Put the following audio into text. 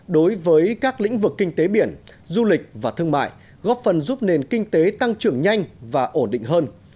đối với các lĩnh vực kinh tế biển du lịch và thương mại góp phần giúp nền kinh tế tăng trưởng nhanh và ổn định hơn